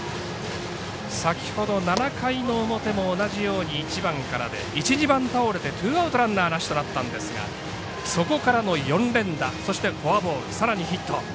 先ほど７回の表も同じように１番からで１、２番倒れてツーアウト、ランナーなしとなったんですがそこからの４連打そしてフォアボールさらにヒット。